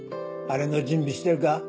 あれの準備してるか？